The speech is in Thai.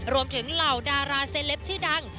รวมถึงเหล่าดาราเซล็ปชื่อดัง